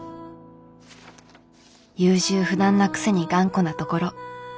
優柔不断なくせに頑固なところ。